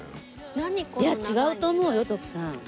いやあ違うと思うよ徳さん。